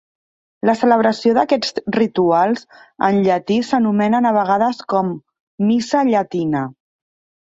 La celebració d'aquests rituals en llatí s'anomenen a vegades com "Missa llatina".